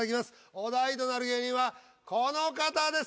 お題となる芸人はこの方です。